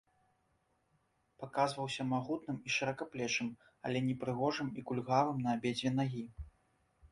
Паказваўся магутным і шыракаплечым, але непрыгожым і кульгавым на абедзве нагі.